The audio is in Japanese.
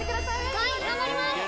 はい頑張ります！